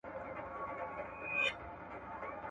هغه له «خپلي ښځي» پرته «مينځي» هم ساتلاى سوای